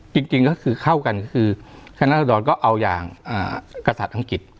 จริงก็คือเข้ากันก็คือคณะสดรก็เอาอย่างกษัตริย์อังกฤษ